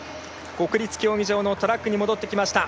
国立競技場のトラックに戻ってきました。